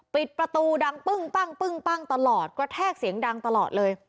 ปิดประตูดังปึ้งปั้งตลอดกระแทกเสียงดังตลอดเลย